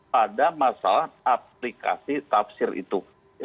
pada masalah aplikasi tafsir itu